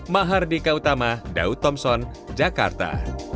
ma'har di kautama daud thompson jakarta